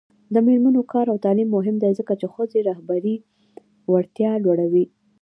د میرمنو کار او تعلیم مهم دی ځکه چې ښځو رهبري وړتیا لوړوي.